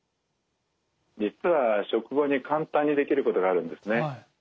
実は食後に簡単にできることがあるんですね。